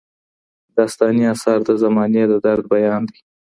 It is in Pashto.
داستاني اثار د زمانې د درد بیان دئ.